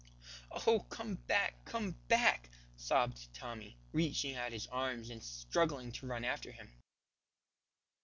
"Oh! come back, come back," sobbed Tommy, reaching out his arms and struggling to run after him.